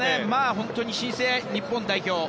本当に新生日本代表。